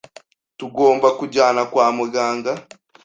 Tugomba kujyana kwa muganga.